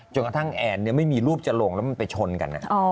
จนกระทั่งแอนเนี่ยไม่มีรูปจะลงแล้วมันไปชนกันอ่ะ